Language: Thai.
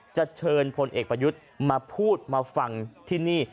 จะเชิญพลเอกประยุทธ์มาพูดมาฟังที่นี่